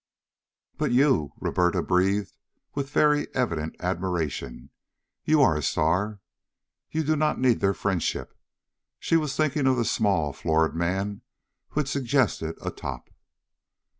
"But, you " Roberta breathed with very evident admiration, "you are a star. You do not need their friendship." She was thinking of the small florid man who had suggested a top.